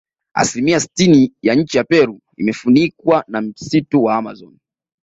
Asilimia sitini ya nchi ya Peru imefunikwa na msitu wa Amazon